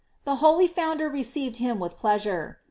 The holy founder received him with pleasure.